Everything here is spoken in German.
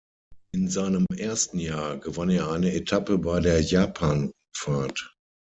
In seinem ersten Jahr gewann er eine Etappe bei der Japan-Rundfahrt.